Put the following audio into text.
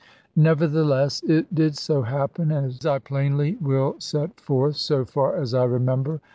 Nevertheless it did so happen, as I plainly will set forth, so far as I remember.